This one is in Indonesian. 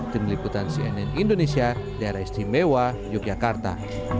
tim liputan cnn indonesia daerah istimewa yogyakarta